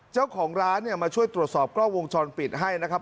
เจ้าของร้านเนี่ยมาช่วยตรวจสอบกล้องวงจรปิดให้นะครับ